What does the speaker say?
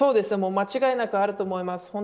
間違いなくあると思います。